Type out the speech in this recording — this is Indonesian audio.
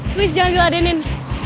please jangan dua adenin